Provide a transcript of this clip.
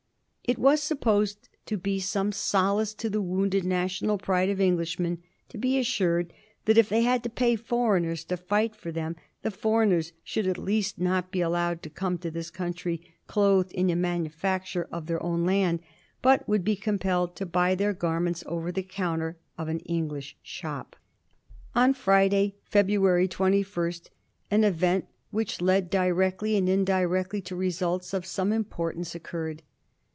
It was supposed to be some solace to the wounded national pride of Englishmen to be assured that if they had to pay foreigners to fight for them the foreigners should at least not be allowed to come to this country clothed in the manufiictures of their own land, but would be compelled to buy their garments over the counter of an English shop. On Friday, February 21, an event which led Digiti zed by Google 1729 COMPLAINTS AGAINST SPAIN. 385 directly and indirectly to results of some importance occurred.